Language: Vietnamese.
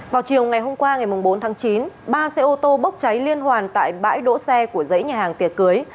vào chiều ngày hôm qua ngày bốn tháng chín ba xe ô tô bốc cháy liên hoàn tại bãi đỗ xe của dãy nhà hàng tiệc cưới